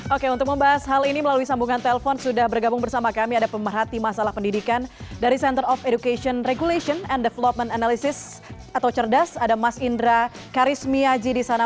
oke untuk membahas hal ini melalui sambungan telpon sudah bergabung bersama kami ada pemerhati masalah pendidikan dari center of education regulation and development analysis atau cerdas ada mas indra karismiaji di sana